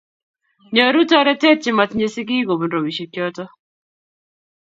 Nyoru toretet che matinye sikiik kobun ropisiek choto